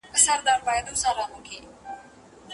که تېروتنې سمې نه سي نو املا ګټه نه لري.